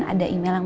ada email yang